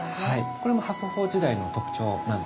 これも白鳳時代の特徴なんですね。